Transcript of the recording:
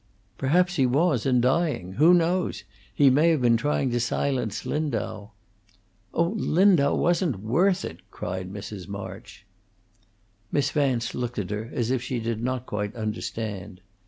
"Perhaps he was of use in dying. Who knows? He may have been trying to silence Lindau." "Oh, Lindau wasn't worth it!" cried Mrs. March. Miss Vance looked at her as if she did not quite understand.